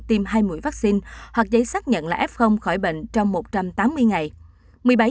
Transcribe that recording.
tiêm hai mũi vaccine hoặc giấy xác nhận là f khỏi bệnh trong một trăm tám mươi ngày